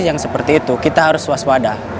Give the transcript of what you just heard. yang seperti itu kita harus waspada